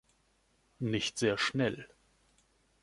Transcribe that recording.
Nicht sehr schnell